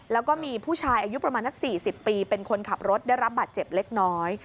แล้วก็มีผู้ชายอายุประมาณนัก๔๐ปีเป็นคนขับรถได้รับบาดเจ็บเล็กน้อย